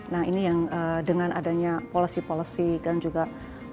nah ini yang dengan adanya policy policy dan juga pengakuan yang secara terbuka